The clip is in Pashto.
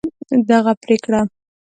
دغه پرېکړه